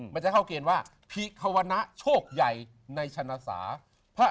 มันจะเข้าเกณฑ์ว่าพิควณะโชคใหญ่ในชนะศาสตร์